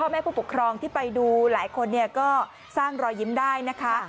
แม่ผู้ปกครองที่ไปดูหลายคนก็สร้างรอยยิ้มได้นะคะ